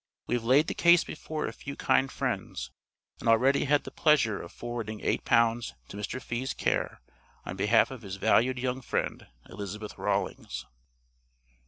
We have laid the case before a few kind friends, and already had the pleasure of forwarding £8 to Mr. Fee's care, on behalf of his valued young friend, Elizabeth Rawlings.